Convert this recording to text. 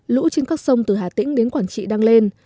lũ trên các sông từ hà tĩnh đến quảng trị đang lên